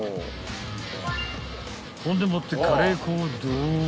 ［ほんでもってカレー粉をドーン］